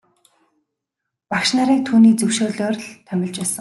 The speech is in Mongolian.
Багш нарыг түүний зөвшөөрлөөр л томилж байсан.